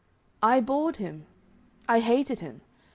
I bored him. I hated him.